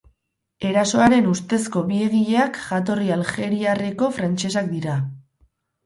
Erasoaren ustezko bi egileak jatorri aljeriarreko frantsesak dira.